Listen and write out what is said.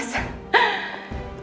aku sudah tahu